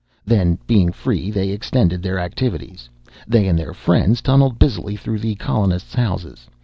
Then, being free, they extended their activities. They and their friends tunneled busily through the colonists' houses.